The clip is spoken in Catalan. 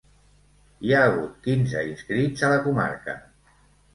Hi ha hagut quinze inscrits a la comarca.